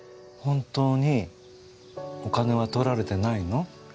本当にお金は盗られてないの？